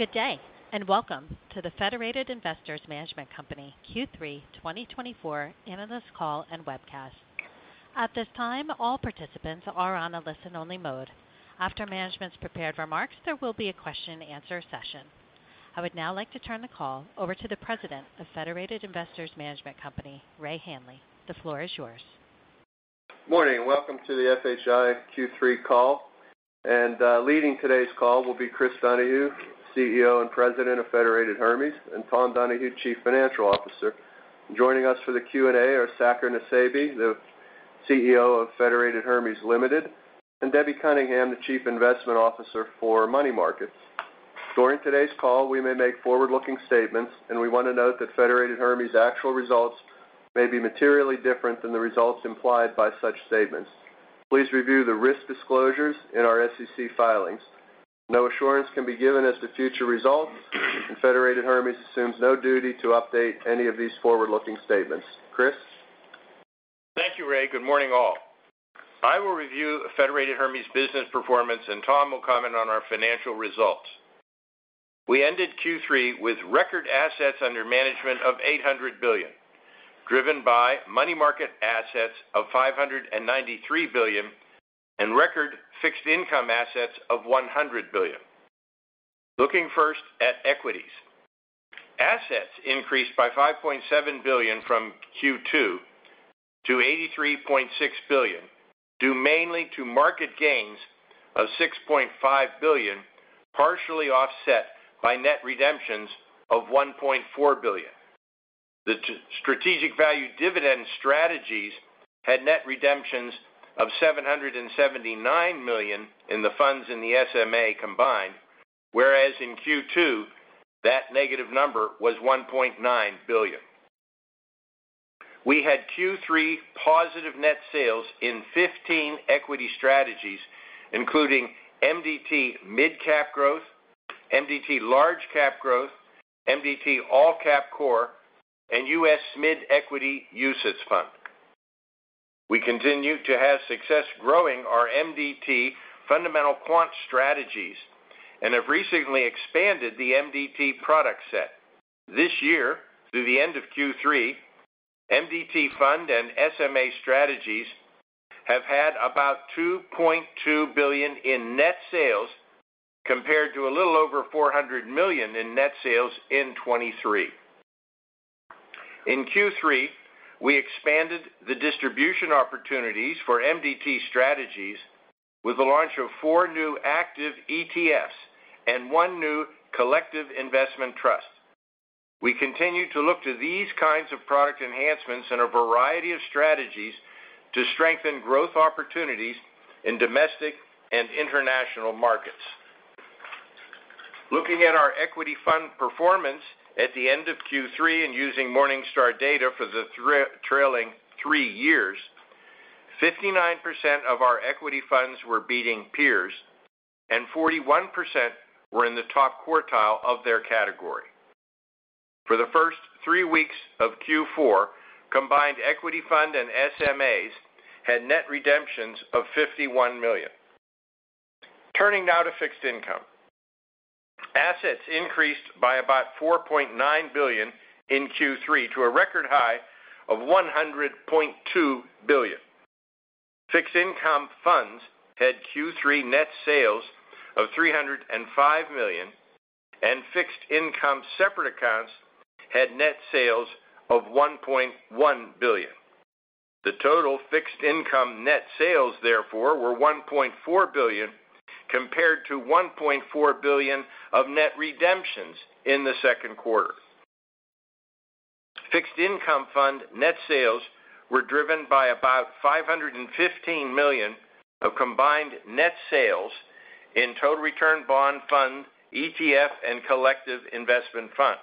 Good day, and Welcome to the Federated Investors Management Company Q3 2024 Analyst Call and Webcast. At this time, all participants are on a listen-only mode. After management's prepared remarks, there will be a question-and-answer session. I would now like to turn the call over to the President of Federated Investors Management Company, Ray Hanley. The floor is yours. Morning, and welcome to the FHI Q3 call. Leading today's call will be Chris Donahue, CEO and President of Federated Hermes, and Tom Donahue, Chief Financial Officer. Joining us for the Q&A are Saker Nusseibeh, the CEO of Federated Hermes Limited, and Debbie Cunningham, the Chief Investment Officer for Money Markets. During today's call, we may make forward-looking statements, and we want to note that Federated Hermes' actual results may be materially different than the results implied by such statements. Please review the risk disclosures in our SEC filings. No assurance can be given as to future results, and Federated Hermes assumes no duty to update any of these forward-looking statements. Chris? Thank you, Ray. Good morning, all. I will review Federated Hermes business performance, and Tom will comment on our financial results. We ended Q3 with record assets under management of $800 billion, driven by money market assets of $593 billion and record fixed income assets of $100 billion. Looking first at equities. Assets increased by $5.7 billion from Q2 to $83.6 billion, due mainly to market gains of $6.5 billion, partially offset by net redemptions of $1.4 billion. The Strategic Value Dividend strategies had net redemptions of $779 million in the funds in the SMA combined, whereas in Q2, that negative number was $1.9 billion. We had Q3 positive net sales in 15 equity strategies, including MDT Mid Cap Growth, MDT Large Cap Growth, MDT All Cap Core, and US Mid Equity UCITS Fund. We continue to have success growing our MDT fundamental quant strategies and have recently expanded the MDT product set. This year, through the end of Q3, MDT Fund and SMA strategies have had about $2.2 billion in net sales, compared to a little over $400 million in net sales in 2023. In Q3, we expanded the distribution opportunities for MDT strategies with the launch of four new active ETFs and one new collective investment trust. We continue to look to these kinds of product enhancements in a variety of strategies to strengthen growth opportunities in domestic and international markets. Looking at our equity fund performance at the end of Q3 and using Morningstar data for the trailing three years, 59% of our equity funds were beating peers, and 41% were in the top quartile of their category. For the first three weeks of Q4, combined equity fund and SMAs had net redemptions of $51 million. Turning now to fixed income. Assets increased by about $4.9 billion in Q3 to a record high of $100.2 billion. Fixed income funds had Q3 net sales of $305 million, and fixed income separate accounts had net sales of $1.1 billion. The total fixed income net sales, therefore, were $1.4 billion, compared to $1.4 billion of net redemptions in the second quarter. Fixed income fund net sales were driven by about $515 million of combined net sales in Total Return Bond Fund, ETF, and collective investment fund.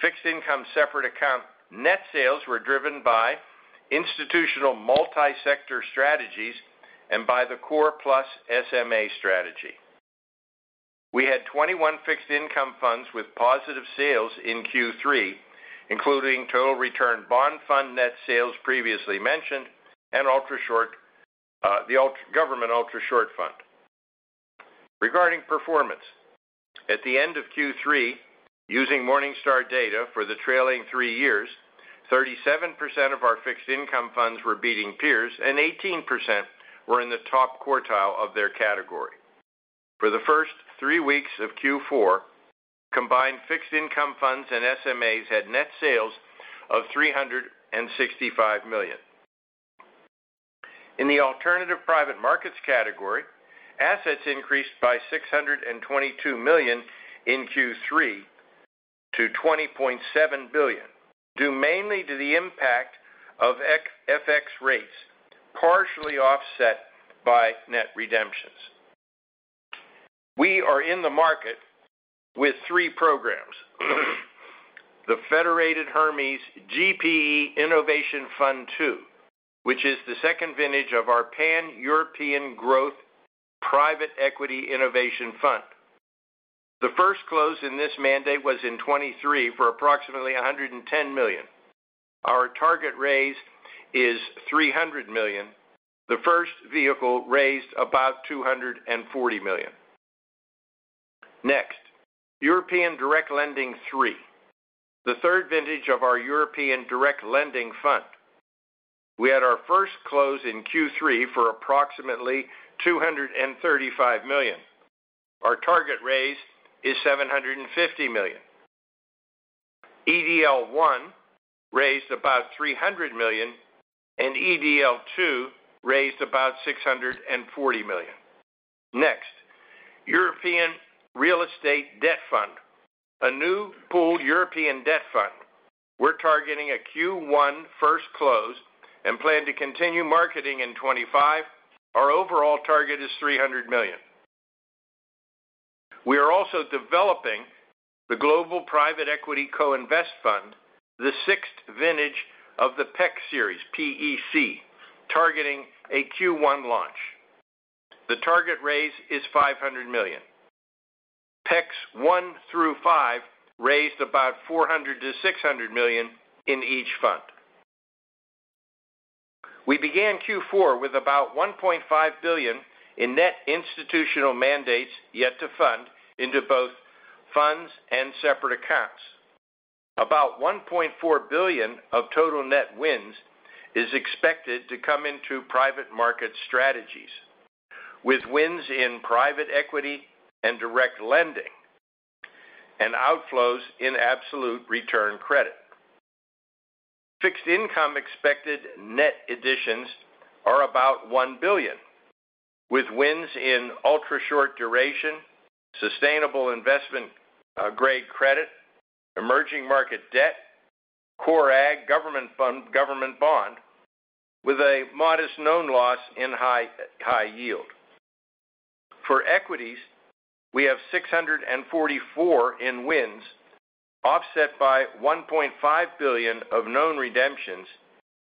Fixed income separate account net sales were driven by institutional multi-sector strategies and by the Core Plus SMA strategy. We had 21 fixed income funds with positive sales in Q3, including Total Return Bond Fund net sales previously mentioned and Government Ultrashort Fund. Regarding performance, at the end of Q3, using Morningstar data for the trailing three years, 37% of our fixed income funds were beating peers and 18% were in the top quartile of their category. For the first three weeks of Q4, combined fixed income funds and SMAs had net sales of $365 million. In the alternative private markets category, assets increased by $622 million in Q3 to $20.7 billion, due mainly to the impact of FX rates, partially offset by net redemptions. We are in the market with three programs, the Federated Hermes GPE Innovation Fund II, which is the second vintage of our Pan-European Growth Private Equity Innovation Fund. The first close in this mandate was in 2023 for approximately $110 million. Our target raise is $300 million. The first vehicle raised about $240 million. Next, European Direct Lending III, the third vintage of our European Direct Lending Fund. We had our first close in Q3 for approximately $235 million. Our target raise is $750 million. EDL I raised about $300 million, and EDL II raised about $640 million. Next, European Real Estate Debt Fund, a new pooled European debt fund. We're targeting a Q1 first close and plan to continue marketing in 2025. Our overall target is $300 million. We are also developing the Global Private Equity Co-Invest Fund, the sixth vintage of the PEC series, P-E-C, targeting a Q1 launch. The target raise is $500 million. PECs one through five raised about $400 million-$600 million in each fund. We began Q4 with about $1.5 billion in net institutional mandates yet to fund into both funds and separate accounts. About $1.4 billion of total net wins is expected to come into private market strategies, with wins in private equity and direct lending and outflows in absolute return credit. Fixed income expected net additions are about $1 billion, with wins in ultra-short duration, sustainable investment grade credit, emerging market debt, Core Agg government fund, government bond, with a modest known loss in high yield. For equities, we have $644 million in wins, offset by $1.5 billion of known redemptions.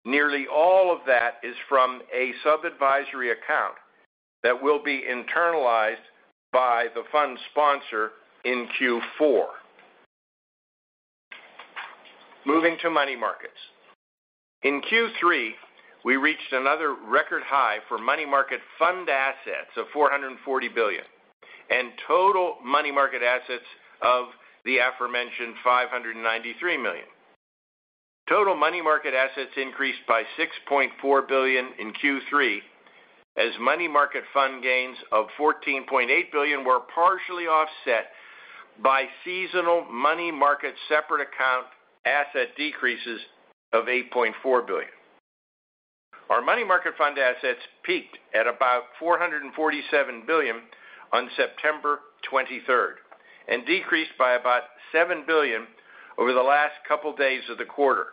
Nearly all of that is from a sub-advisory account that will be internalized by the fund sponsor in Q4. Moving to money markets. In Q3, we reached another record high for money market fund assets of $440 billion, and total money market assets of the aforementioned $593 million. Total money market assets increased by $6.4 billion in Q3, as money market fund gains of $14.8 billion were partially offset by seasonal money market separate account asset decreases of $8.4 billion. Our money market fund assets peaked at about $447 billion on September twenty-third and decreased by about $7 billion over the last couple days of the quarter.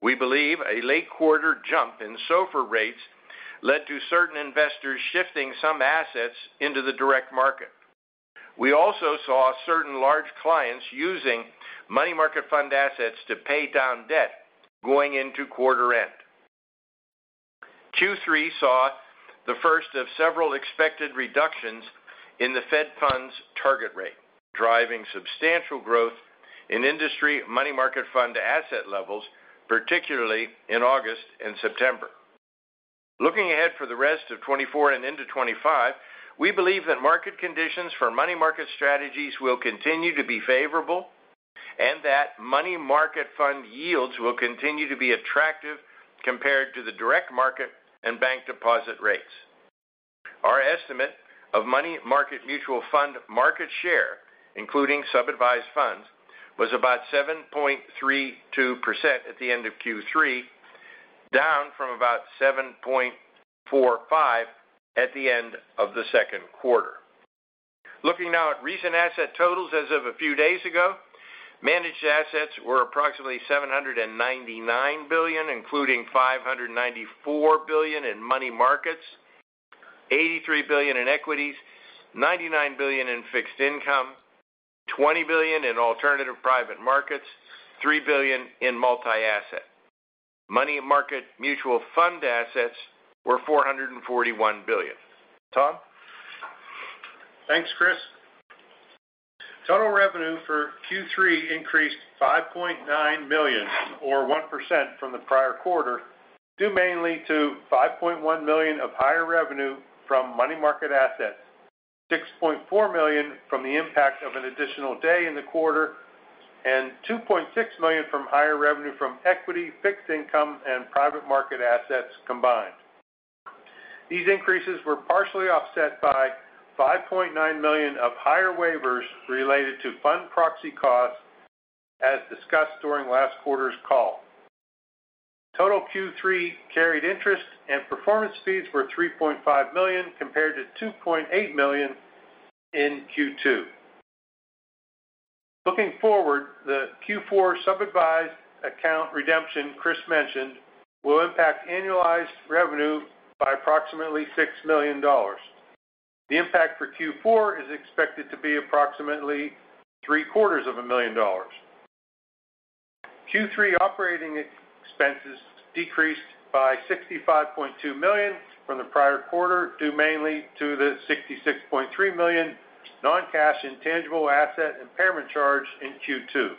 We believe a late quarter jump in SOFR rates led to certain investors shifting some assets into the direct market. We also saw certain large clients using money market fund assets to pay down debt going into quarter end. Q3 saw the first of several expected reductions in the Fed funds target rate, driving substantial growth in industry money market fund asset levels, particularly in August and September. Looking ahead for the rest of 2024 and into 2025, we believe that market conditions for money market strategies will continue to be favorable, and that money market fund yields will continue to be attractive compared to the direct market and bank deposit rates. Our estimate of money market mutual fund market share, including sub-advised funds, was about 7.32% at the end of Q3, down from about 7.45% at the end of the second quarter. Looking now at recent asset totals as of a few days ago, managed assets were approximately $799 billion, including $594 billion in money markets, $83 billion in equities, $99 billion in fixed income, $20 billion in alternative private markets, $3 billion in multi-asset. Money market mutual fund assets were $441 billion. Tom? Thanks, Chris. Total revenue for Q3 increased $5.9 million, or 1% from the prior quarter, due mainly to $5.1 million of higher revenue from money market assets, $6.4 million from the impact of an additional day in the quarter, and $2.6 million from higher revenue from equity, fixed income, and private market assets combined. These increases were partially offset by $5.9 million of higher waivers related to fund proxy costs as discussed during last quarter's call. Total Q3 carried interest and performance fees were $3.5 million, compared to $2.8 million in Q2. Looking forward, the Q4 sub-advised account redemption Chris mentioned will impact annualized revenue by approximately $6 million. The impact for Q4 is expected to be approximately $750,000. Q3 operating expenses decreased by $65.2 million from the prior quarter, due mainly to the $66.3 million non-cash intangible asset impairment charge in Q2.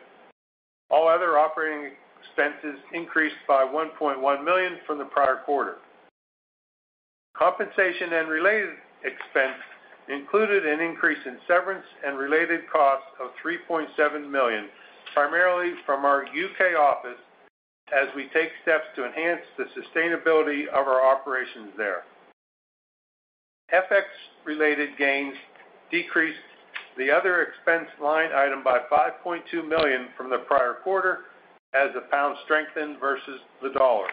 All other operating expenses increased by $1.1 million from the prior quarter. Compensation and related expense included an increase in severance and related costs of $3.7 million, primarily from our U.K. office, as we take steps to enhance the sustainability of our operations there. FX-related gains decreased the other expense line item by $5.2 million from the prior quarter as the pound strengthened versus the dollar.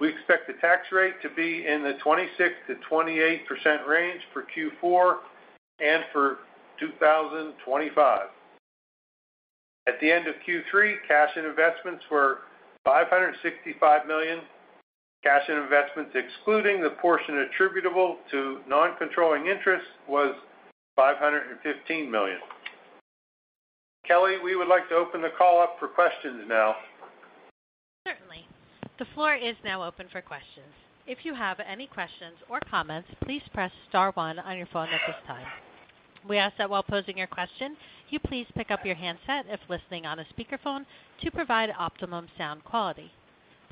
We expect the tax rate to be in the 26%-28% range for Q4 and for 2025. At the end of Q3, cash and investments were $565 million. Cash and investments, excluding the portion attributable to non-controlling interests, was $515 million. Kelly, we would like to open the call up for questions now. Certainly. The floor is now open for questions. If you have any questions or comments, please press star one on your phone at this time. We ask that while posing your question, you please pick up your handset, if listening on a speakerphone, to provide optimum sound quality.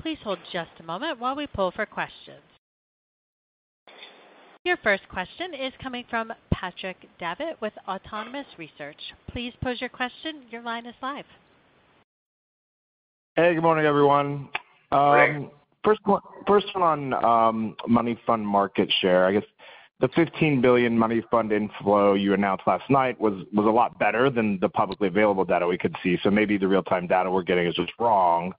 Please hold just a moment while we pull for questions. Your first question is coming from Patrick Davitt with Autonomous Research. Please pose your question. Your line is live. Hey, good morning, everyone. Good morning. First one, money fund market share. I guess the $15 billion money fund inflow you announced last night was a lot better than the publicly available data we could see, so maybe the real-time data we're getting is just wrong,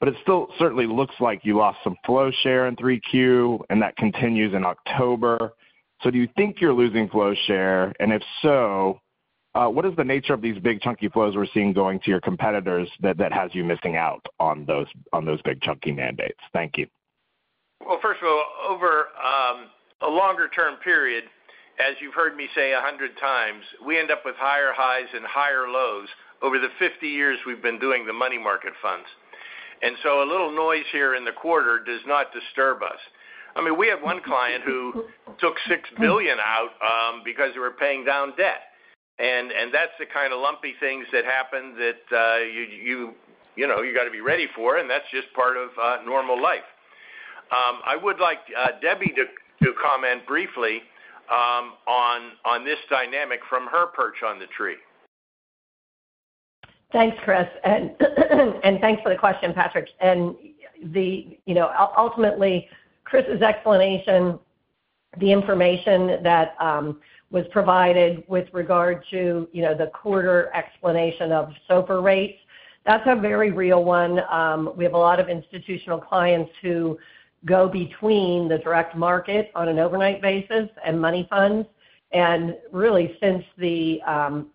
but it still certainly looks like you lost some flow share in 3Q, and that continues in October, so do you think you're losing flow share? And if so, what is the nature of these big, chunky flows we're seeing going to your competitors that has you missing out on those big, chunky mandates? Thank you. First of all, over a longer-term period, as you've heard me say a hundred times, we end up with higher highs and higher lows over the fifty years we've been doing the money market funds. So a little noise here in the quarter does not disturb us. I mean, we have one client who took $6 billion out because they were paying down debt, and that's the kind of lumpy things that happen that you know you got to be ready for, and that's just part of normal life. I would like Debbie to comment briefly on this dynamic from her perch on the tree. Thanks, Chris, and thanks for the question, Patrick. And ultimately, Chris's explanation, the information that was provided with regard to, you know, the quarter explanation of SOFR rates, that's a very real one. We have a lot of institutional clients who go between the direct market on an overnight basis and money funds. And really, since the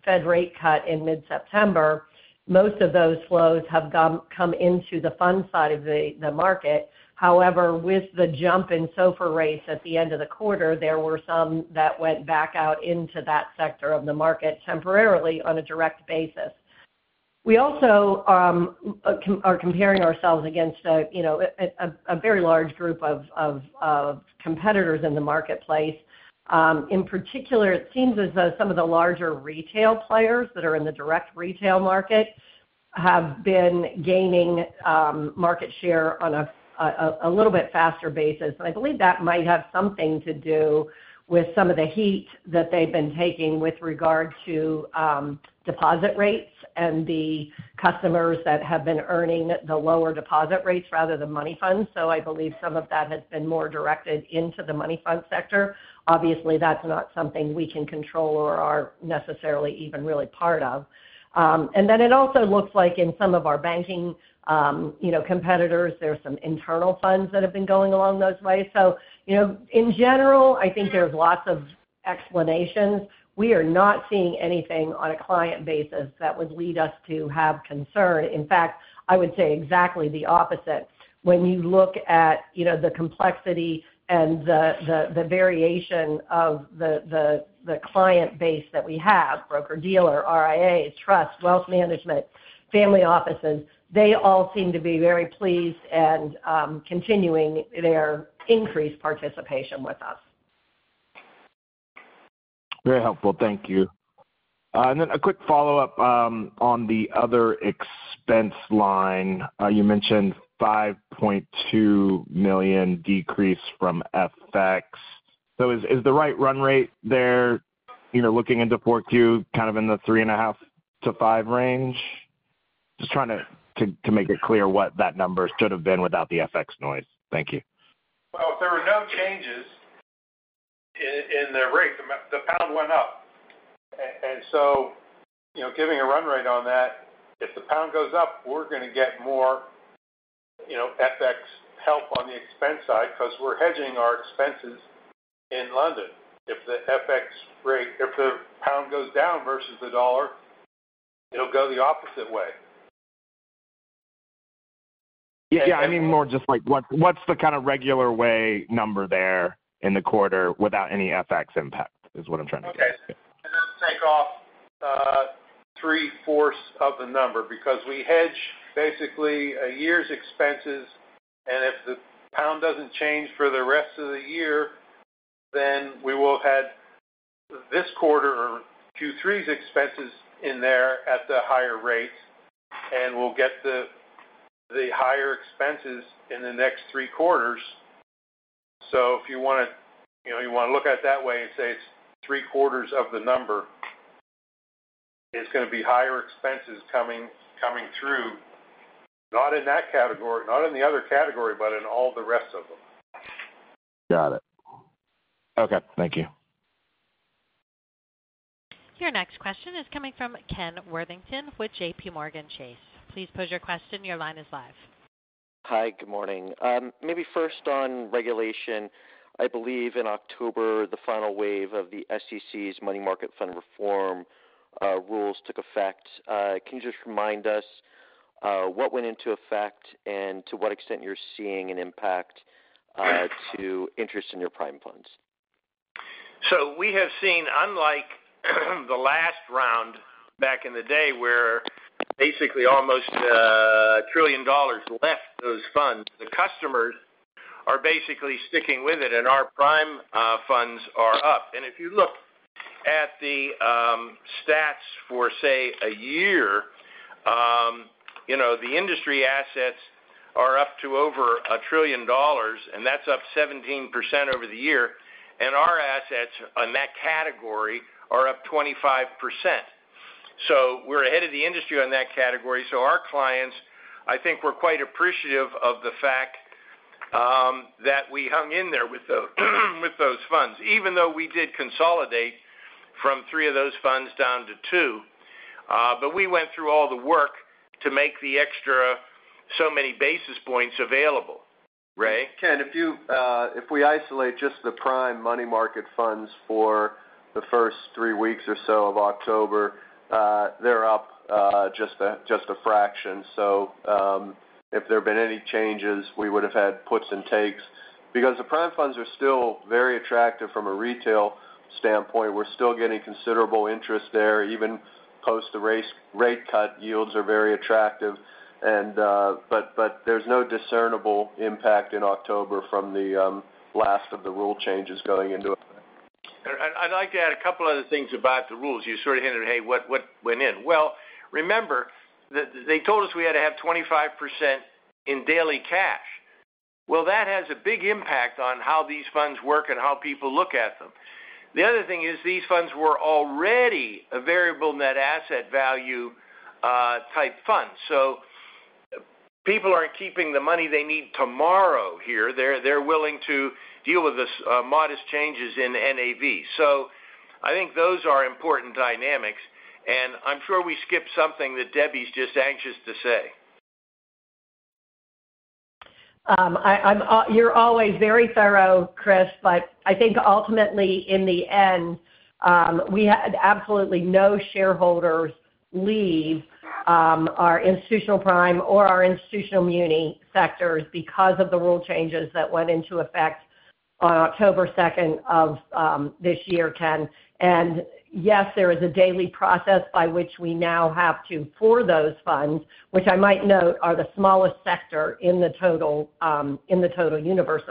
Fed rate cut in mid-September, most of those flows have come into the fund side of the market. However, with the jump in SOFR rates at the end of the quarter, there were some that went back out into that sector of the market temporarily on a direct basis. We also are comparing ourselves against a, you know, a very large group of competitors in the marketplace. In particular, it seems as though some of the larger retail players that are in the direct retail market have been gaining market share on a little bit faster basis. And I believe that might have something to do with some of the heat that they've been taking with regard to deposit rates and the customers that have been earning the lower deposit rates rather than money funds. So I believe some of that has been more directed into the money fund sector. Obviously, that's not something we can control or are necessarily even really part of. And then it also looks like in some of our banking, you know, competitors, there's some internal funds that have been going along those ways. So, you know, in general, I think there's lots of explanations. We are not seeing anything on a client basis that would lead us to have concern. In fact, I would say exactly the opposite. When you look at, you know, the complexity and the variation of the client base that we have, broker-dealer, RIAs, trust, wealth management, family offices, they all seem to be very pleased and continuing their increased participation with us. Very helpful. Thank you. And then a quick follow-up on the other expense line. You mentioned $5.2 million decrease from FX. So is the right run rate there, you know, looking into Q4, kind of in the 3.5 to 5 range? Just trying to make it clear what that number should have been without the FX noise. Thank you. There were no changes in the rate. The pound went up. And so, you know, giving a run rate on that, if the pound goes up, we're going to get more, you know, FX help on the expense side because we're hedging our expenses in London. If the FX rate, if the pound goes down versus the dollar, it'll go the opposite way. Yeah, I mean, more just like, what, what's the kind of regular way number there in the quarter without any FX impact? That's what I'm trying to get at.... take off, three-fourths of the number because we hedge basically a year's expenses, and if the pound doesn't change for the rest of the year, then we will have had this quarter or Q3's expenses in there at the higher rate, and we'll get the higher expenses in the next three quarters. So if you want to, you know, you want to look at it that way and say it's three-quarters of the number, it's going to be higher expenses coming through, not in that category, not in the other category, but in all the rest of them. Got it. Okay. Thank you. Your next question is coming from Ken Worthington with J.P. Morgan Chase. Please pose your question. Your line is live. Hi, good morning. Maybe first on regulation. I believe in October, the final wave of the SEC's money market fund reform rules took effect. Can you just remind us what went into effect and to what extent you're seeing an impact to interest in your prime funds? So we have seen, unlike the last round, back in the day, where basically almost $1 trillion left those funds. The customers are basically sticking with it, and our prime funds are up. And if you look at the stats for, say, a year, you know, the industry assets are up to over $1 trillion, and that's up 17% over the year, and our assets on that category are up 25%. So we're ahead of the industry on that category. So our clients, I think, we're quite appreciative of the fact that we hung in there with those funds, even though we did consolidate from three of those funds down to two. But we went through all the work to make the extra so many basis points available. Ray? Ken, if we isolate just the prime money market funds for the first three weeks or so of October, they're up just a fraction. So, if there have been any changes, we would have had puts and takes because the prime funds are still very attractive from a retail standpoint. We're still getting considerable interest there, even post the rate cut, yields are very attractive. But there's no discernible impact in October from the last of the rule changes going into effect. I'd like to add a couple other things about the rules. You sort of hinted, hey, what went in? Well, remember, they told us we had to have 25% in daily cash. Well, that has a big impact on how these funds work and how people look at them. The other thing is these funds were already a variable net asset value type fund. So people aren't keeping the money they need tomorrow here. They're willing to deal with this modest changes in NAV. So I think those are important dynamics, and I'm sure we skipped something that Debbie's just anxious to say. You're always very thorough, Chris, but I think ultimately, in the end, we had absolutely no shareholders leave our institutional prime or our institutional muni sectors because of the rule changes that went into effect on October second of this year, Ken. And yes, there is a daily process by which we now have to, for those funds, which I might note, are the smallest sector in the total universe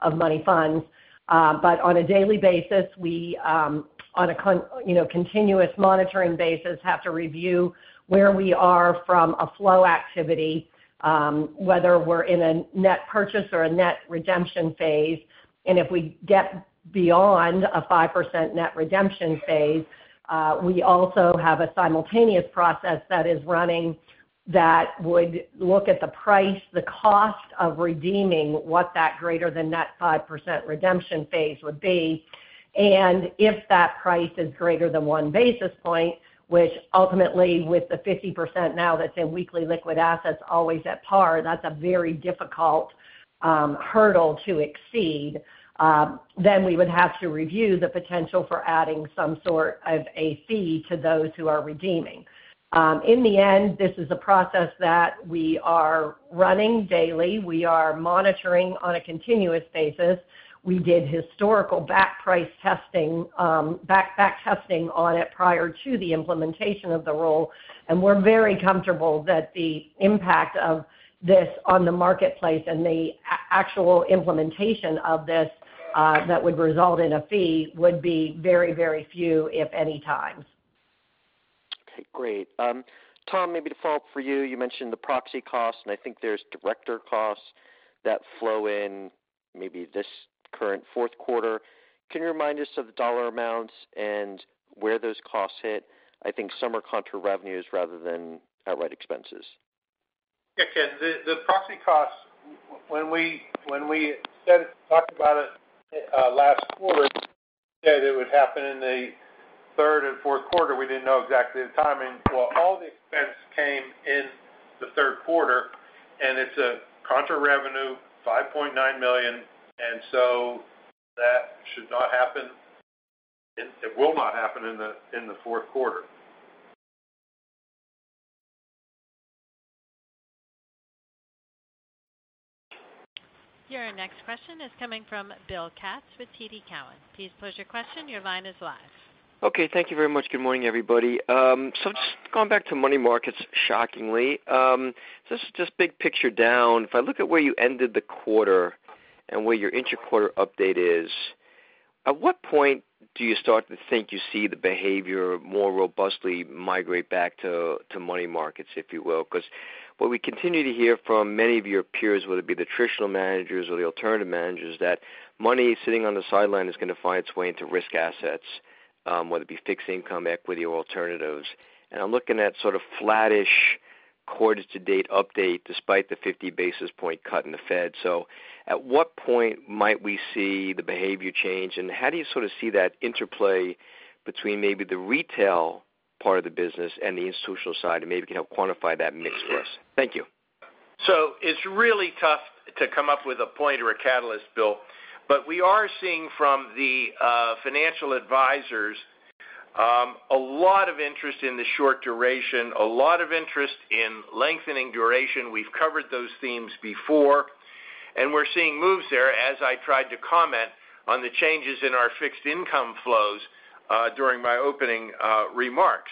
of money funds. But on a daily basis, we on a continuous monitoring basis have to review where we are from a flow activity, whether we're in a net purchase or a net redemption phase. And if we get beyond a 5% net redemption phase, we also have a simultaneous process that is running that would look at the price, the cost of redeeming what that greater than net 5% redemption phase would be. And if that price is greater than one basis point, which ultimately with the 50% now that's in weekly liquid assets, always at par, that's a very difficult hurdle to exceed. Then we would have to review the potential for adding some sort of a fee to those who are redeeming. In the end, this is a process that we are running daily. We are monitoring on a continuous basis. We did historical back price testing, back testing on it prior to the implementation of the rule. We're very comfortable that the impact of this on the marketplace and the actual implementation of this that would result in a fee would be very, very few, if any, times. Okay, great. Tom, maybe to follow up for you. You mentioned the proxy costs, and I think there's director costs that flow in maybe this current fourth quarter. Can you remind us of the dollar amounts and where those costs hit? I think some are contra revenues rather than outright expenses. Yeah, Ken, the proxy costs, when we said we talked about it last quarter, we said it would happen in the third and fourth quarter, we didn't know exactly the timing. Well, all the expense came in the third quarter, and it's a contra revenue, $5.9 million, and so that should not happen. It will not happen in the fourth quarter.... Your next question is coming from Bill Katz with TD Cowen. Please pose your question. Your line is live. Okay, thank you very much. Good morning, everybody. So just going back to money markets, shockingly, just big picture down. If I look at where you ended the quarter and where your inter-quarter update is, at what point do you start to think you see the behavior more robustly migrate back to money markets, if you will? Because what we continue to hear from many of your peers, whether it be the traditional managers or the alternative managers, is that money sitting on the sideline is going to find its way into risk assets, whether it be fixed income, equity, or alternatives. And I'm looking at sort of flattish quarter-to-date update, despite the 50-basis point cut in the Fed. So at what point might we see the behavior change? How do you sort of see that interplay between maybe the retail part of the business and the institutional side, and maybe you can help quantify that mix for us? Thank you. It's really tough to come up with a point or a catalyst, Bill, but we are seeing from the financial advisors a lot of interest in the short duration, a lot of interest in lengthening duration. We've covered those themes before, and we're seeing moves there as I tried to comment on the changes in our fixed income flows during my opening remarks.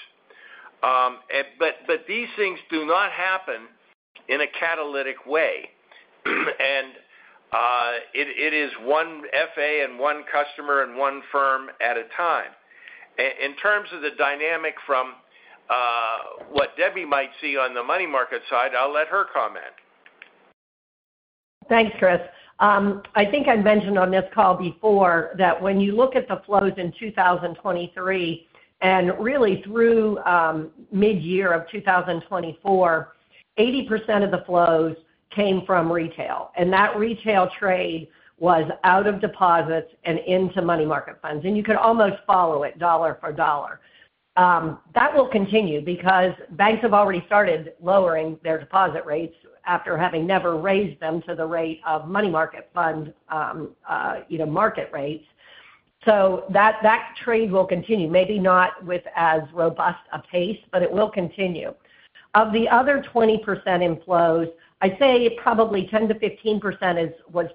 But these things do not happen in a catalytic way, and it is one FA and one customer and one firm at a time. In terms of the dynamic from what Debbie might see on the money market side, I'll let her comment. Thanks, Chris. I think I'd mentioned on this call before that when you look at the flows in 2023, and really through mid-year of 2024, 80% of the flows came from retail, and that retail trade was out of deposits and into money market funds, and you could almost follow it dollar for dollar. That will continue because banks have already started lowering their deposit rates after having never raised them to the rate of money market fund, you know, market rates. So that trade will continue, maybe not with as robust a pace, but it will continue. Of the other 20% in flows, I'd say probably 10% to 15% was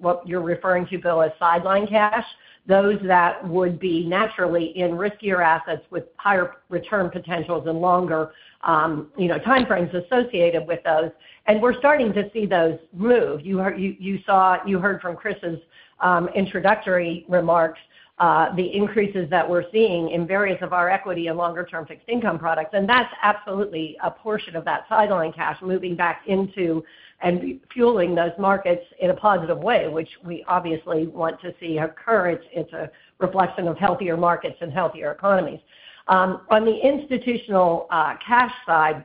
what you're referring to, Bill, as sideline cash. Those that would be naturally in riskier assets with higher return potentials and longer, you know, time frames associated with those, and we're starting to see those move. You heard from Chris's introductory remarks the increases that we're seeing in various of our equity and longer-term fixed income products, and that's absolutely a portion of that sideline cash moving back into and refueling those markets in a positive way, which we obviously want to see occur. It's a reflection of healthier markets and healthier economies. On the institutional cash side,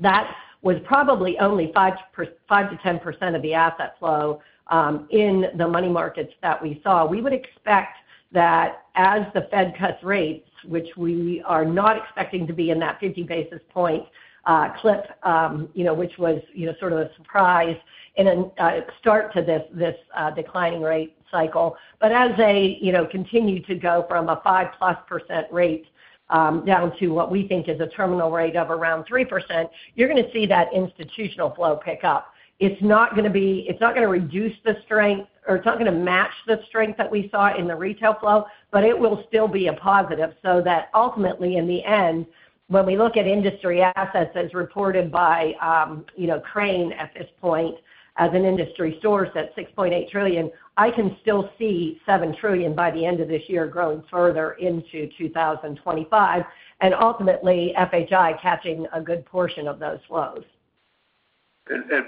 that was probably only 5%-10% of the asset flow in the money markets that we saw. We would expect that as the Fed cuts rates, which we are not expecting to be in that 50-basis point clip, you know, which was, you know, sort of a surprise in a start to this declining rate cycle. But as they, you know, continue to go from a 5-plus% rate down to what we think is a terminal rate of around 3%, you're going to see that institutional flow pick up. It's not going to be. It's not going to reduce the strength, or it's not going to match the strength that we saw in the retail flow, but it will still be a positive. That ultimately, in the end, when we look at industry assets as reported by, you know, Crane at this point, as an industry source at $6.8 trillion, I can still see $7 trillion by the end of this year, growing further into 2025, and ultimately, FHI catching a good portion of those flows.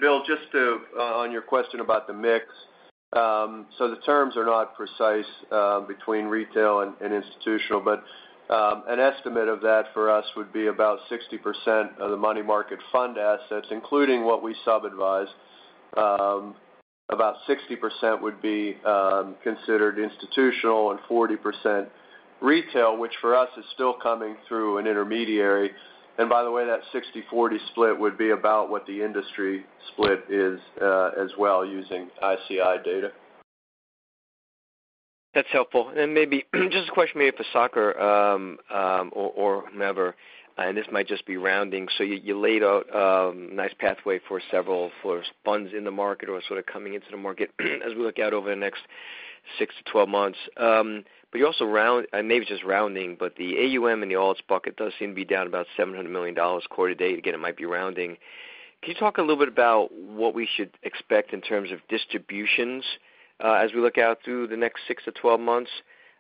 Bill, just to on your question about the mix. So the terms are not precise between retail and institutional, but an estimate of that for us would be about 60% of the money market fund assets, including what we sub-advise. About 60% would be considered institutional and 40% retail, which for us is still coming through an intermediary. By the way, that 60-40 split would be about what the industry split is, as well, using ICI data. That's helpful. And maybe just a question maybe for Saker or whomever, and this might just be rounding. So you laid out a nice pathway for several funds in the market or sort of coming into the market as we look out over the next six to twelve months. But you also round, and maybe it's just rounding, but the AUM in the alts bucket does seem to be down about $700 million quarter to date. Again, it might be rounding. Can you talk a little bit about what we should expect in terms of distributions as we look out through the next six to twelve months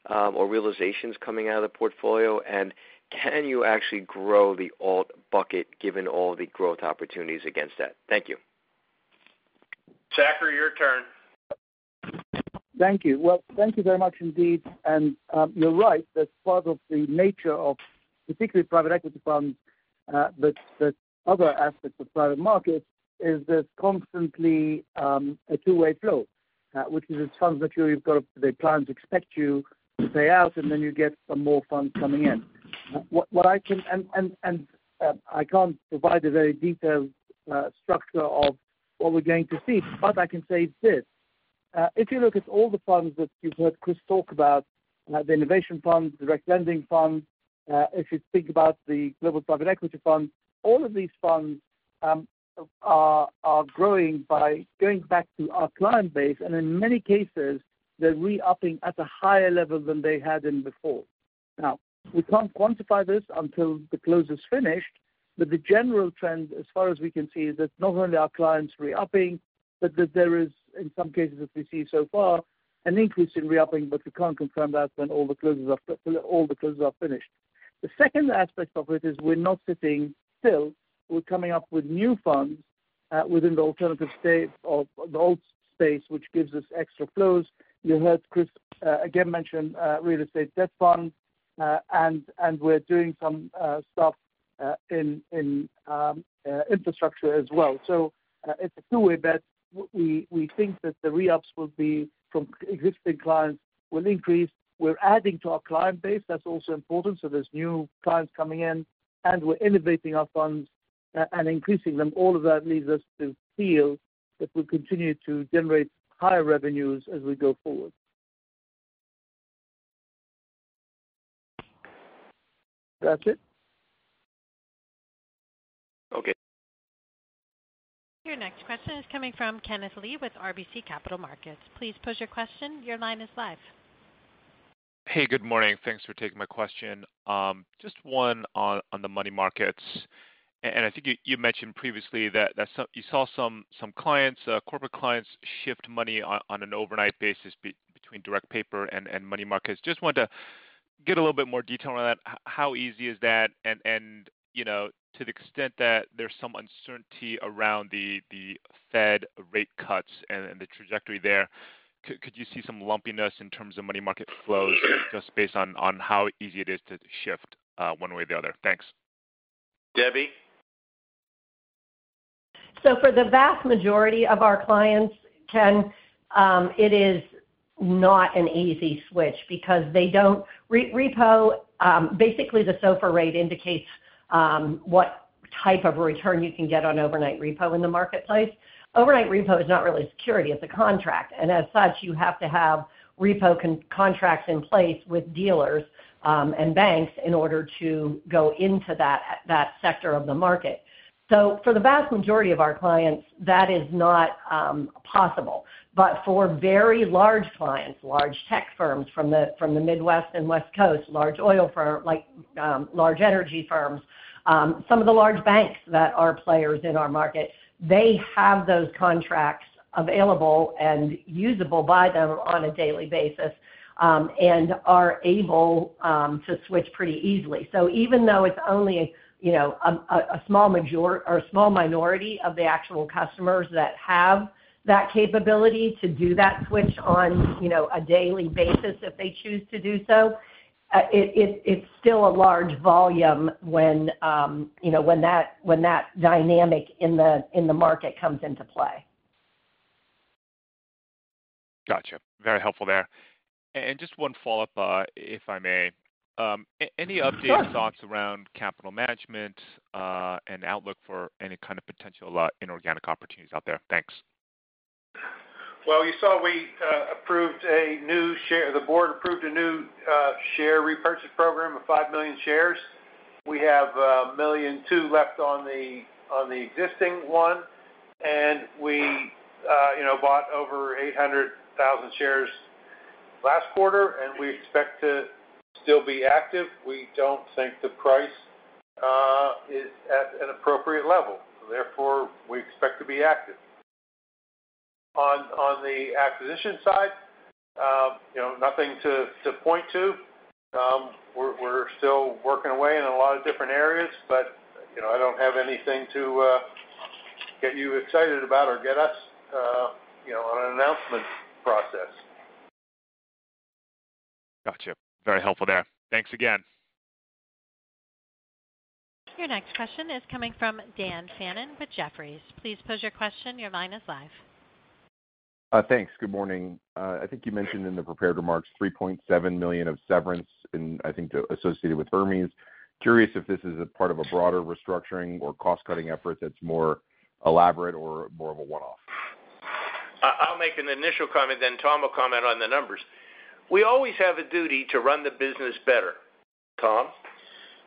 or realizations coming out of the portfolio? And can you actually grow the alt bucket, given all the growth opportunities against that? Thank you. Saker, your turn. Thank you very much indeed. You're right, that part of the nature of particularly private equity funds, but the other aspects of private markets is there's constantly a two-way flow, which is it's funds that you've got - the clients expect you to pay out, and then you get some more funds coming in. What I can... I can't provide a very detailed structure of what we're going to see, but I can say this: If you look at all the funds that you've heard Chris talk about, the innovation funds, direct lending funds - if you think about the global private equity fund, all of these funds are growing by going back to our client base, and in many cases, they're re-upping at a higher level than they had in before. Now, we can't quantify this until the close is finished, but the general trend, as far as we can see, is that not only are clients re-upping, but that there is, in some cases that we see so far, an increase in re-upping, but we can't confirm that when all the closes are finished. The second aspect of it is we're not sitting still. We're coming up with new funds within the alternative state of the old space, which gives us extra flows. You heard Chris again mention real estate debt funds and we're doing some stuff in infrastructure as well. So, it's a two-way bet. We think that the re-ups will be from existing clients will increase. We're adding to our client base. That's also important. So there's new clients coming in, and we're innovating our funds and increasing them. All of that leads us to feel that we'll continue to generate higher revenues as we go forward. That's it? Okay. Your next question is coming from Kenneth Lee with RBC Capital Markets. Please pose your question. Your line is live. Hey, good morning. Thanks for taking my question. Just one on the money markets. And I think you mentioned previously that some clients, corporate clients shift money on an overnight basis between direct paper and money markets. Just wanted to get a little bit more detail on that. How easy is that? And you know, to the extent that there's some uncertainty around the Fed rate cuts and the trajectory there, could you see some lumpiness in terms of money market flows, just based on how easy it is to shift one way or the other? Thanks. Debbie? So for the vast majority of our clients, Ken, it is not an easy switch because they don't repo, basically, the SOFR rate indicates what type of return you can get on overnight repo in the marketplace. Overnight repo is not really security, it's a contract, and as such, you have to have repo contracts in place with dealers and banks in order to go into that sector of the market. So for the vast majority of our clients, that is not possible. But for very large clients, large tech firms from the Midwest and West Coast, large oil firm, like, large energy firms, some of the large banks that are players in our market, they have those contracts available and usable by them on a daily basis and are able to switch pretty easily. So even though it's only, you know, a small minority of the actual customers that have that capability to do that switch on, you know, a daily basis, if they choose to do so, it's still a large volume when, you know, that dynamic in the market comes into play. Gotcha. Very helpful there. And just one follow-up, if I may. Any updated- Sure... thoughts around capital management, and outlook for any kind of potential, inorganic opportunities out there? Thanks. approved a new share repurchase program of five million shares. The board approved a new share repurchase program of five million shares. We have 1.2 million left on the existing one, and we, you know, bought over 800,000 shares last quarter, and we expect to still be active. We don't think the price is at an appropriate level. Therefore, we expect to be active. On the acquisition side, you know, nothing to point to. We're still working away in a lot of different areas, but, you know, I don't have anything to get you excited about or get us, you know, on an announcement process. Gotcha. Very helpful there. Thanks again. Your next question is coming from Dan Fannon with Jefferies. Please pose your question. Your line is live. Thanks. Good morning. I think you mentioned in the prepared remarks, $3.7 million of severance in, I think, associated with Hermes. Curious if this is a part of a broader restructuring or cost-cutting effort that's more elaborate or more of a one-off? I'll make an initial comment, then Tom will comment on the numbers. We always have a duty to run the business better. Tom?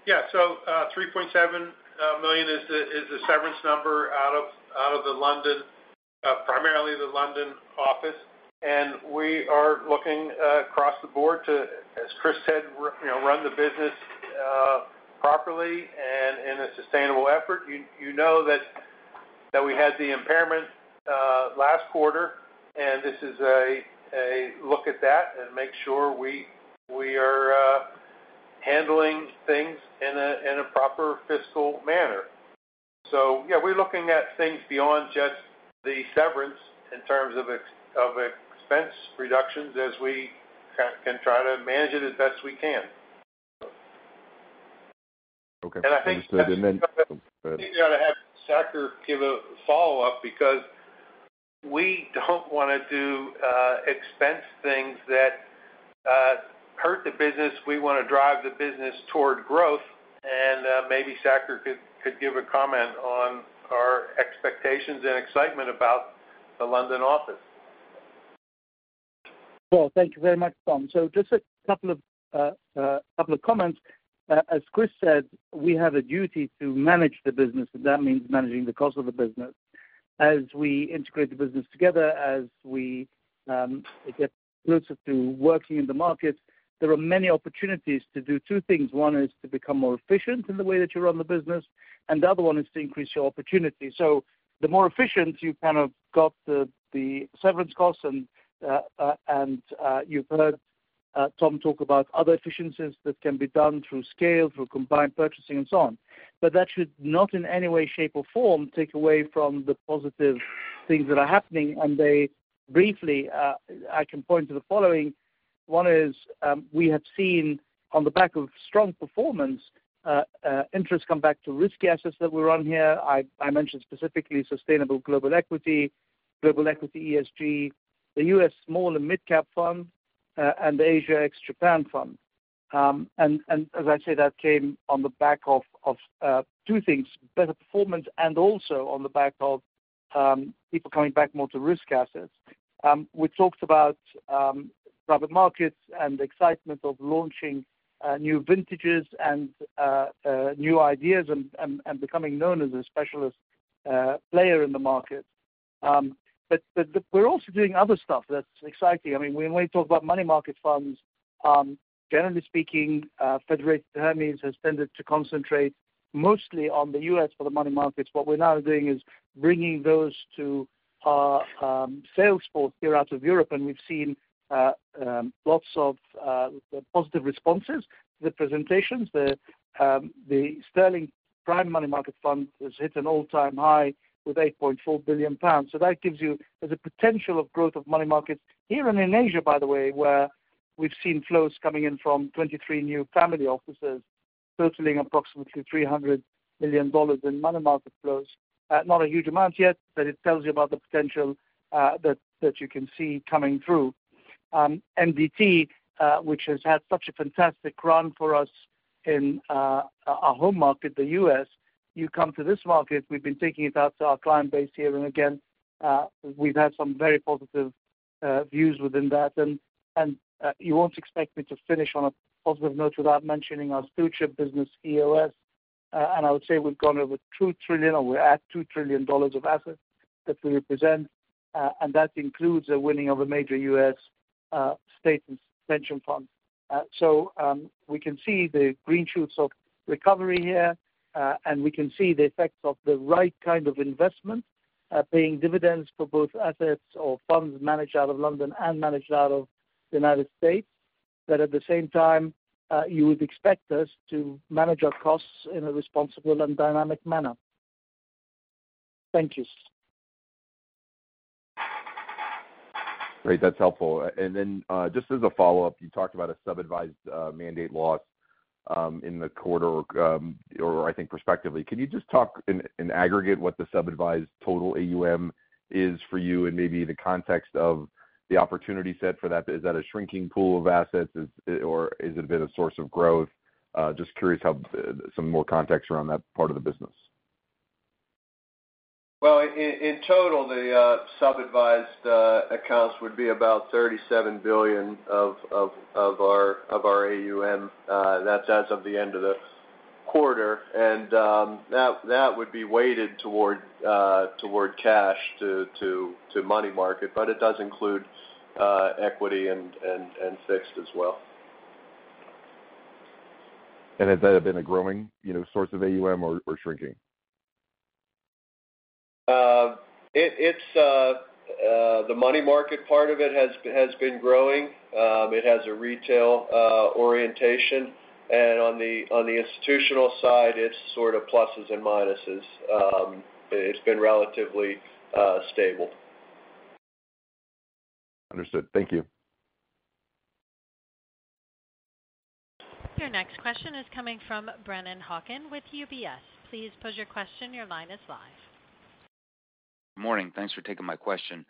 Yeah, so, $3.7 million is the severance number out of the London office, primarily, and we are looking across the board to, as Chris said, you know, run the business properly and in a sustainable effort. You know that we had the impairment last quarter, and this is a look at that and make sure we are handling things in a proper fiscal manner. So yeah, we're looking at things beyond just the severance in terms of expense reductions as we can try to manage it as best we can. Okay. I think- And then- You gotta have Saker give a follow-up because we don't want to do expense things that hurt the business. We want to drive the business toward growth, and maybe Saker could give a comment on our expectations and excitement about the London office.... Well, thank you very much, Tom. So just a couple of comments. As Chris said, we have a duty to manage the business, and that means managing the cost of the business. As we integrate the business together, as we get closer to working in the market, there are many opportunities to do two things. One is to become more efficient in the way that you run the business, and the other one is to increase your opportunity. So the more efficient, you've kind of got the severance costs, and you've heard Tom talk about other efficiencies that can be done through scale, through combined purchasing, and so on. But that should not in any way, shape, or form, take away from the positive things that are happening. And then, briefly, I can point to the following. One is, we have seen on the back of strong performance, interest come back to risky assets that we run here. I mentioned specifically Sustainable Global Equity, Global Equity ESG, the U.S. Small and Midcap Fund, and the Asia ex-Japan fund. And as I say, that came on the back of two things, better performance and also on the back of people coming back more to risk assets. We talked about private markets and the excitement of launching new vintages and new ideas and becoming known as a specialist player in the market. But we're also doing other stuff that's exciting. I mean, when we talk about money market funds, generally speaking, Federated Hermes has tended to concentrate mostly on the U.S. for the money markets. What we're now doing is bringing those to our sales force here out of Europe, and we've seen lots of positive responses to the presentations. The Sterling Prime Money Market Fund has hit an all-time high with 8.4 billion pounds. So that gives you, there's a potential of growth of money markets here and in Asia, by the way, where we've seen flows coming in from 23 new family offices, totaling approximately $300 million in money market flows. Not a huge amount yet, but it tells you about the potential that you can see coming through. MDT, which has had such a fantastic run for us in our home market, the US. You come to this market, we've been taking it out to our client base here. And again, we've had some very positive views within that. And you won't expect me to finish on a positive note without mentioning our stewardship business, EOS. And I would say we've gone over $2 trillion, or we're at $2 trillion of assets that we represent, and that includes the winning of a major US state and pension fund. So we can see the green shoots of recovery here, and we can see the effects of the right kind of investment paying dividends for both assets or funds managed out of London and managed out of the United States. But at the same time, you would expect us to manage our costs in a responsible and dynamic manner. Thank you. Great, that's helpful, and then just as a follow-up, you talked about a sub-advised mandate loss in the quarter, or I think prospectively. Can you just talk in aggregate what the sub-advised total AUM is for you, and maybe the context of the opportunity set for that? Is that a shrinking pool of assets, or has it been a source of growth? Just curious how some more context around that part of the business. In total, the sub-advised accounts would be about $37 billion of our AUM. That's as of the end of the quarter. That would be weighted toward cash to money market, but it does include equity and fixed as well. Has that been a growing, you know, source of AUM or, or shrinking? It's the money market part of it has been growing. It has a retail orientation, and on the institutional side, it's sort of pluses and minuses. It's been relatively stable. Understood. Thank you. Your next question is coming from Brennan Hawken with UBS. Please pose your question. Your line is live. Morning. Thanks for taking my question.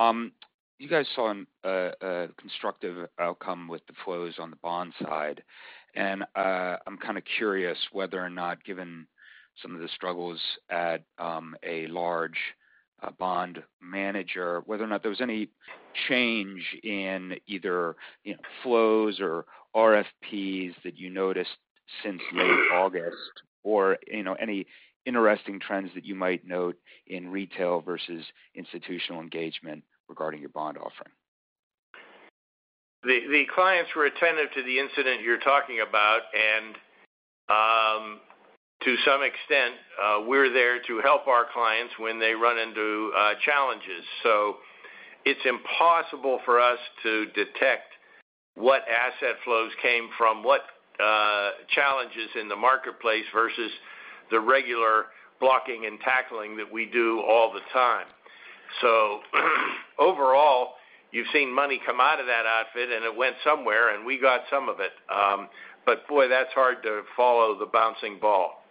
You guys saw a constructive outcome with the flows on the bond side, and I'm kind of curious whether or not, given some of the struggles at a large bond manager, whether or not there was any change in either, you know, flows or RFPs that you noticed since late August, or, you know, any interesting trends that you might note in retail versus institutional engagement regarding your bond offering? The clients were attentive to the incident you're talking about, and to some extent, we're there to help our clients when they run into challenges. So it's impossible for us to detect what asset flows came from what challenges in the marketplace versus the regular blocking and tackling that we do all the time. So overall, you've seen money come out of that outfit, and it went somewhere, and we got some of it. But boy, that's hard to follow the bouncing ball.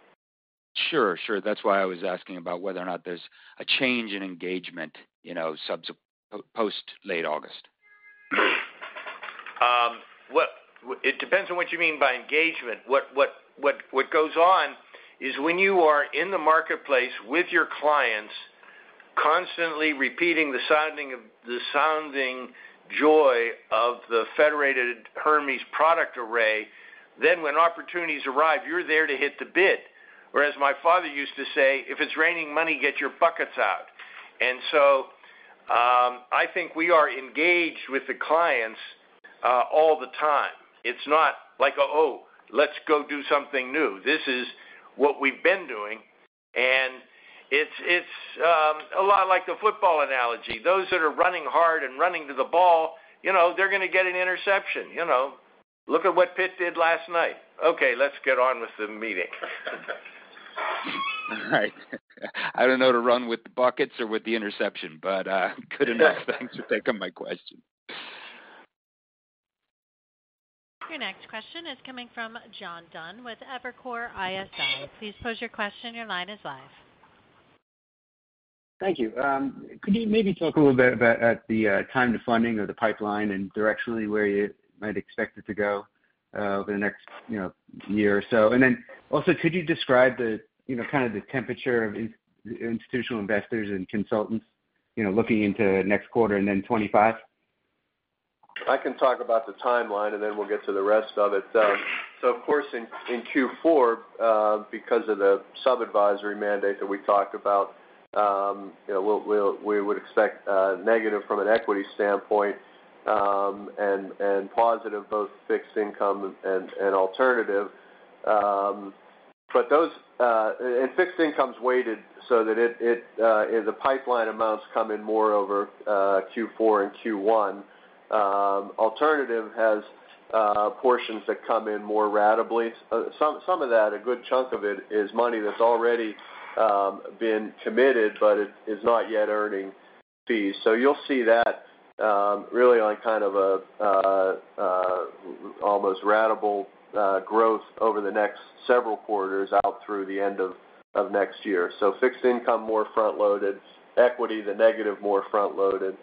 Sure, sure. That's why I was asking about whether or not there's a change in engagement, you know, subsequent post, late August.... What, it depends on what you mean by engagement. What goes on is when you are in the marketplace with your clients, constantly repeating the sounding joy of the Federated Hermes product array, then when opportunities arrive, you're there to hit the bid. Whereas my father used to say, "If it's raining money, get your buckets out." And so, I think we are engaged with the clients all the time. It's not like, oh, let's go do something new. This is what we've been doing, and it's a lot like the football analogy. Those that are running hard and running to the ball, you know, they're going to get an interception, you know. Look at what Pitt did last night. Okay, let's get on with the meeting. All right. I don't know to run with the buckets or with the interception, but, good enough. Thanks for taking my question. Your next question is coming from John Dunn with Evercore ISI. Please pose your question. Your line is live. Thank you. Could you maybe talk a little bit about, at the time to funding of the pipeline and directionally, where you might expect it to go, over the next, you know, year or so? And then also, could you describe the, you know, kind of the temperature of institutional investors and consultants, you know, looking into next quarter and then twenty-five? I can talk about the timeline, and then we'll get to the rest of it. So of course, in Q4, because of the sub-advisory mandate that we talked about, you know, we'll - we would expect negative from an equity standpoint, and positive, both fixed income and alternative. But those, and fixed income's weighted so that it, the pipeline amounts come in more over Q4 and Q1. Alternative has portions that come in more ratably. Some of that, a good chunk of it is money that's already been committed, but it is not yet earning fees. So you'll see that, really on kind of a almost ratable growth over the next several quarters out through the end of next year. Fixed income, more front-loaded, equity, the negative, more front-loaded, and then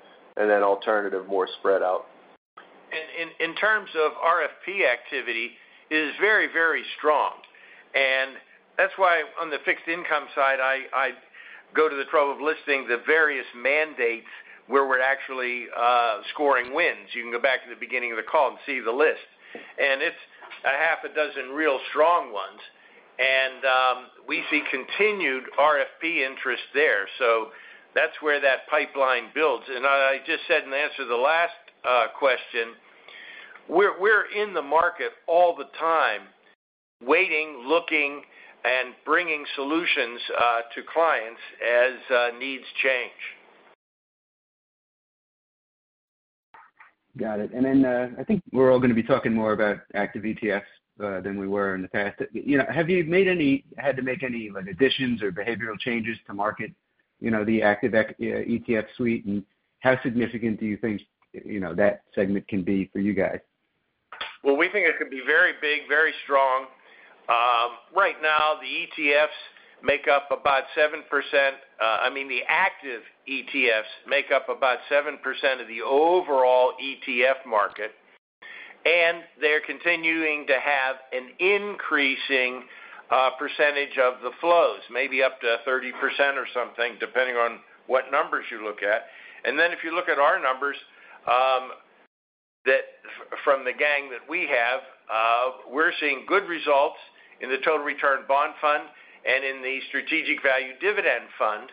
alternative, more spread out. In terms of RFP activity, it is very, very strong. That's why on the fixed income side, I go to the trouble of listing the various mandates where we're actually scoring wins. You can go back to the beginning of the call and see the list. It's 6 real strong ones. We see continued RFP interest there. That's where that pipeline builds. I just said in answer to the last question, we're in the market all the time, waiting, looking, and bringing solutions to clients as needs change. Got it. And then, I think we're all going to be talking more about active ETFs than we were in the past. You know, had to make any, like, additions or behavioral changes to market, you know, the active ETF suite? And how significant do you think, you know, that segment can be for you guys? We think it could be very big, very strong. Right now, the ETFs make up about 7%, I mean, the active ETFs make up about 7% of the overall ETF market, and they're continuing to have an increasing percentage of the flows, maybe up to 30% or something, depending on what numbers you look at. And then if you look at our numbers, that from the funds that we have, we're seeing good results in the Total Return Bond Fund and in the Strategic Value Dividend Fund,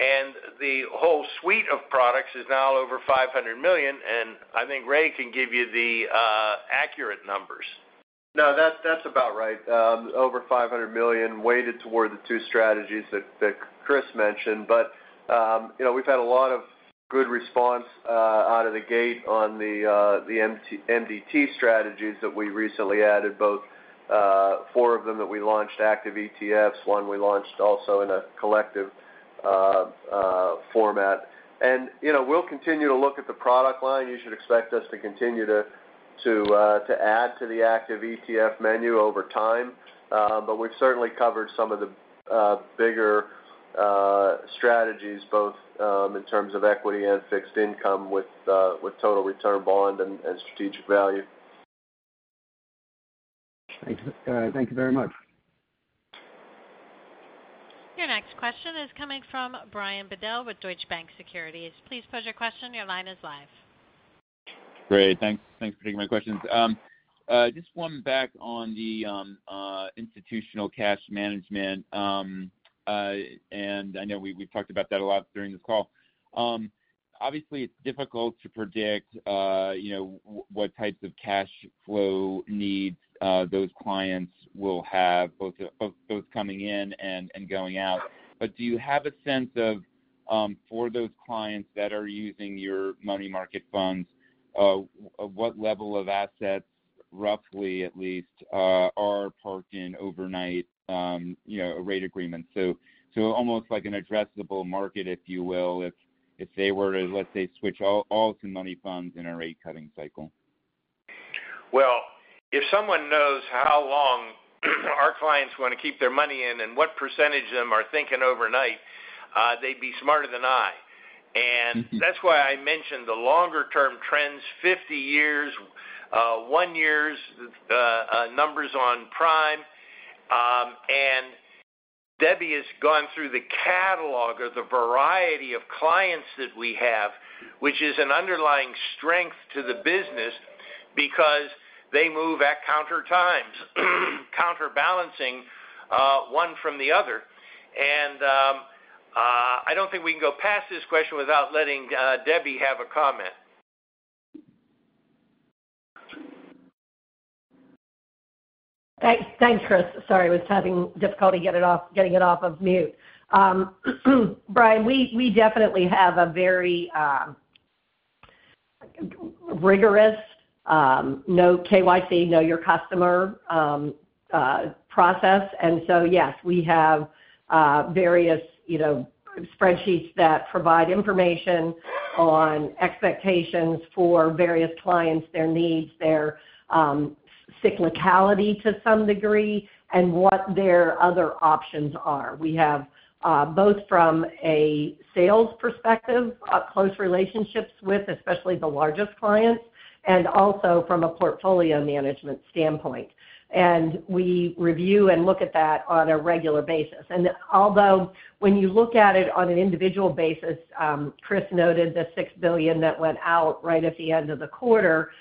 and the whole suite of products is now over $500 million, and I think Ray can give you the accurate numbers. No, that's about right. Over $500 million weighted toward the two strategies that Chris mentioned. But you know, we've had a lot of good response out of the gate on the MDT strategies that we recently added, both four of them that we launched, active ETFs, one we launched also in a collective format. And you know, we'll continue to look at the product line. You should expect us to continue to add to the active ETF menu over time. But we've certainly covered some of the bigger strategies, both in terms of equity and fixed income with total return bond and strategic value. Thank you. Thank you very much. Your next question is coming from Brian Bedell with Deutsche Bank Securities. Please pose your question. Your line is live. Great. Thanks. Thanks for taking my questions. Just one back on the institutional cash management. And I know we've talked about that a lot during this call. Obviously, it's difficult to predict, you know, what types of cash flow needs those clients will have, both coming in and going out. But do you have a sense of, for those clients that are using your money market funds, what level of assets, roughly at least, are parked in overnight, you know, repo agreements? So almost like an addressable market, if you will, if they were to, let's say, switch all to money funds in a rate cutting cycle.... Well, if someone knows how long our clients want to keep their money in and what percentage of them are thinking overnight, they'd be smarter than I. And that's why I mentioned the longer-term trends, 50-year, 10-year numbers on Prime. And Debbie has gone through the catalog or the variety of clients that we have, which is an underlying strength to the business because they move at counter times, counterbalancing one from the other. And I don't think we can go past this question without letting Debbie have a comment. Thanks. Thanks, Chris. Sorry, I was having difficulty getting it off of mute. Brian, we definitely have a very rigorous KYC, know your customer process. And so, yes, we have various, you know, spreadsheets that provide information on expectations for various clients, their needs, their cyclicality to some degree, and what their other options are. We have both from a sales perspective, up close relationships with, especially the largest clients, and also from a portfolio management standpoint. And we review and look at that on a regular basis. And although when you look at it on an individual basis, Chris noted the $6 billion that went out right at the end of the quarter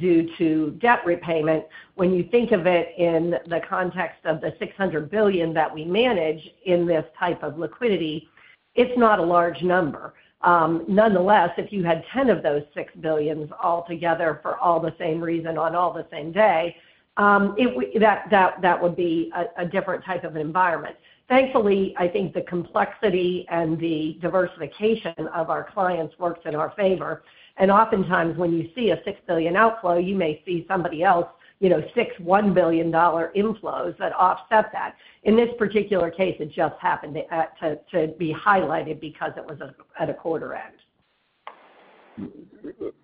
due to debt repayment. When you think of it in the context of the $600 billion that we manage in this type of liquidity, it's not a large number. Nonetheless, if you had ten of those $6 billion all together for all the same reason on all the same day, it would be a different type of environment. Thankfully, I think the complexity and the diversification of our clients works in our favor, and oftentimes, when you see a $6 billion outflow, you may see somebody else, you know, six $1 billion inflows that offset that. In this particular case, it just happened to be highlighted because it was at a quarter end.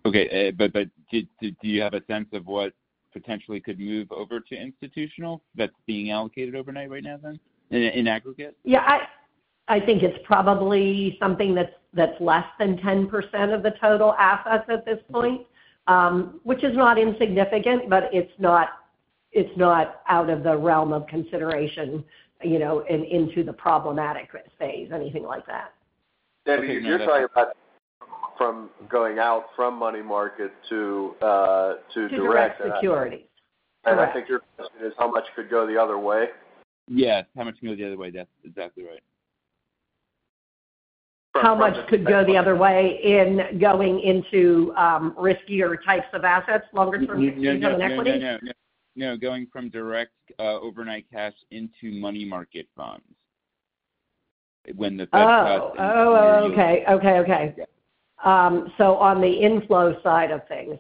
Okay, but do you have a sense of what potentially could move over to institutional that's being allocated overnight right now then, in aggregate? Yeah, I think it's probably something that's less than 10% of the total assets at this point, which is not insignificant, but it's not out of the realm of consideration, you know, and into the problematic phase, anything like that. Debbie, you're talking about from going out from money market to direct- To direct securities. Correct. I think your question is how much could go the other way? Yes. How much can go the other way? That's exactly right. How much could go the other way in going into, riskier types of assets, longer-term equity? No, no, no, no, no. No, going from direct overnight cash into money market funds. When the Fed cuts- Oh, okay. Yeah. So on the inflow side of things.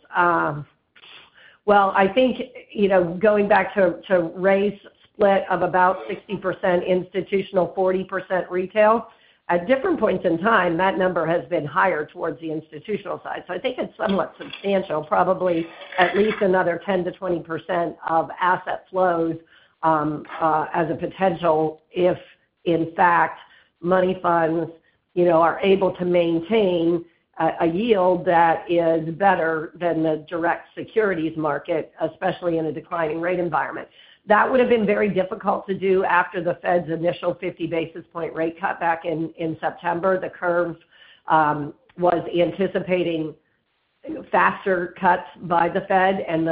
Well, I think, you know, going back to Ray's split of about 60% institutional, 40% retail, at different points in time, that number has been higher towards the institutional side. So I think it's somewhat substantial, probably at least another 10%-20% of asset flows as a potential, if, in fact, money funds, you know, are able to maintain a yield that is better than the direct securities market, especially in a declining rate environment. That would have been very difficult to do after the Fed's initial 50-basis point rate cut back in September. The curve was anticipating faster cuts by the Fed, and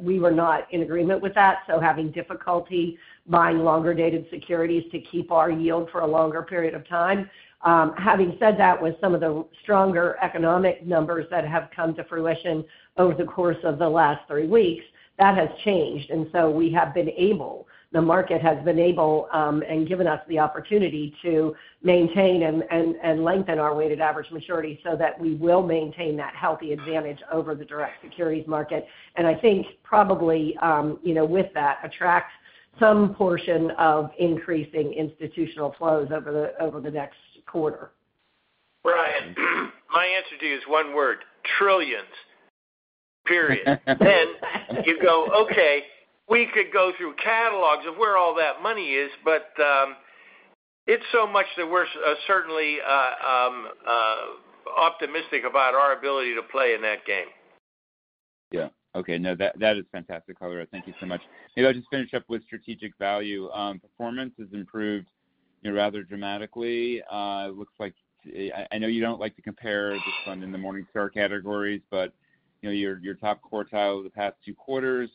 we were not in agreement with that, so having difficulty buying longer-dated securities to keep our yield for a longer period of time. Having said that, with some of the stronger economic numbers that have come to fruition over the course of the last three weeks, that has changed, and so we have been able—the market has been able, and given us the opportunity to maintain and lengthen our weighted average maturity so that we will maintain that healthy advantage over the direct securities market. And I think probably, you know, with that, attract some portion of increasing institutional flows over the next quarter. Brian, my answer to you is one word: trillions. Period. Then you go, okay, we could go through catalogs of where all that money is, but, it's so much that we're certainly optimistic about our ability to play in that game. Yeah. Okay. No, that, that is fantastic, Chris. Thank you so much. Maybe I'll just finish up with strategic value. Performance has improved, you know, rather dramatically. It looks like. I know you don't like to compare the fund in the Morningstar categories, but, you know, your, your top quartile over the past two quarters,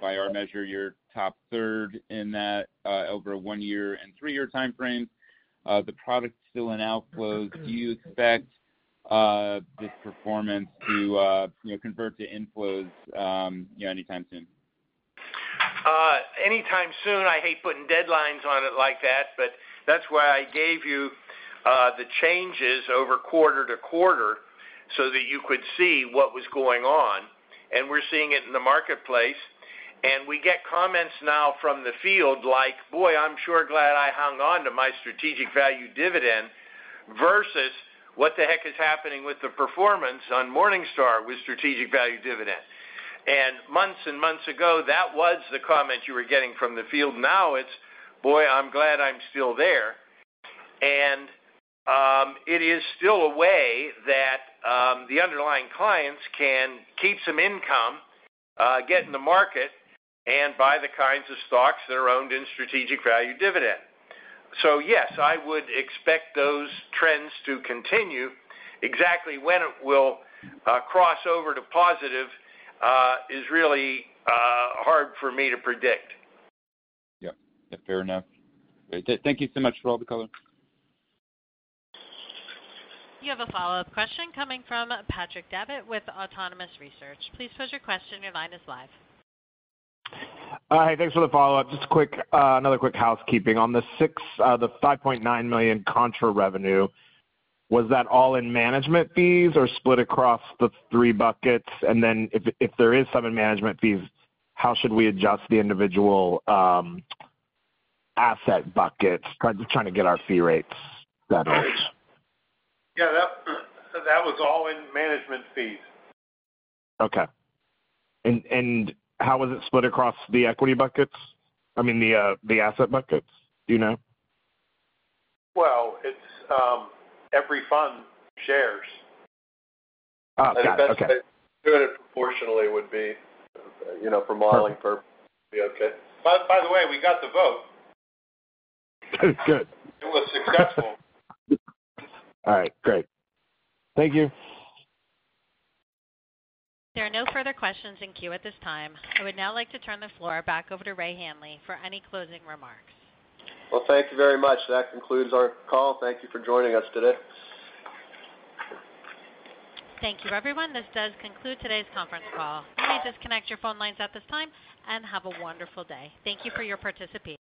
by our measure, you're top third in that, over a one-year and three-year time frame. The product's still in outflows. Do you expect this performance to, you know, convert to inflows, you know, anytime soon? Anytime soon, I hate putting deadlines on it like that, but that's why I gave you the changes over quarter to quarter, so that you could see what was going on, and we're seeing it in the marketplace. And we get comments now from the field like, "Boy, I'm sure glad I hung on to my Strategic Value Dividend," versus, "What the heck is happening with the performance on Morningstar with Strategic Value Dividend?" And months and months ago, that was the comment you were getting from the field. Now it's, "Boy, I'm glad I'm still there." And it is still a way that the underlying clients can keep some income, get in the market, and buy the kinds of stocks that are owned in Strategic Value Dividend. So yes, I would expect those trends to continue. Exactly when it will cross over to positive is really hard for me to predict. Yeah, fair enough. Thank you so much for all the color. You have a follow-up question coming from Patrick Davitt with Autonomous Research. Please pose your question. Your line is live. Hi, thanks for the follow-up. Just quick, another quick housekeeping. On the $5.9 million contra revenue, was that all in management fees or split across the three buckets? And then if there is some in management fees, how should we adjust the individual asset buckets? Trying to get our fee rates better. Yeah, that was all in management fees. Okay. And how was it split across the equity buckets? I mean, the asset buckets, do you know? It's every fund shares. Oh, okay. Good. Proportionally would be, you know, for modeling purposes be okay. By the way, we got the vote. Good. It was successful. All right, great. Thank you. There are no further questions in queue at this time. I would now like to turn the floor back over to Ray Hanley for any closing remarks. Thank you very much. That concludes our call. Thank you for joining us today. Thank you, everyone. This does conclude today's conference call. You may disconnect your phone lines at this time and have a wonderful day. Thank you for your participation.